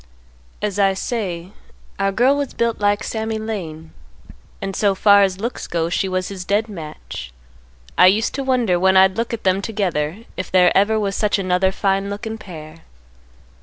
"As I say, our girl was built like Sammy Lane, and so far as looks go she was his dead match. I used to wonder when I'd look at them together if there ever was such another fine lookin' pair.